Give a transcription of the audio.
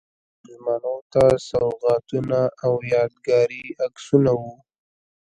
میلمنو ته سوغاتونه او یادګاري عکسونه و.